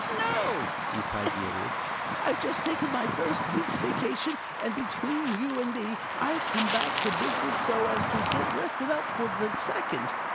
"No," replied the Idiot. "I've just taken my first week's vacation, and between you and me I've come back to business so as to get rested up for the second."